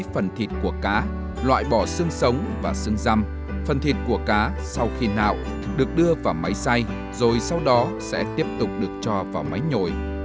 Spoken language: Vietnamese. phần thịt của cá loại bỏ xương sống và xương răm phần thịt của cá sau khi nạo được đưa vào máy xay rồi sau đó sẽ tiếp tục được cho vào máy nhồi